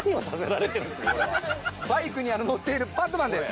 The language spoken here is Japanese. バイクに乗っているバットマンです。